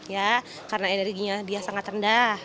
ya karena energinya dia sangat rendah